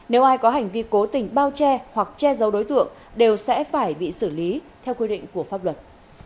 nếu ai có hành vi cố tình bao che hoặc che giấu đối tượng đều sẽ phải bị xử lý theo quy định của pháp luật